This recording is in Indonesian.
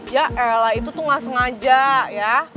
ya ella itu tuh gak sengaja ya